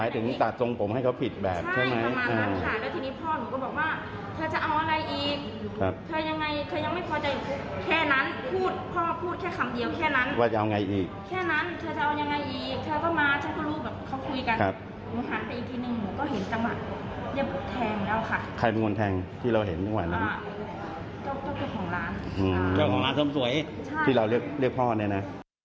เจ้าของร้านเจ้าของร้านเสริมสวยที่เราเรียกพ่อเนี่ยนะ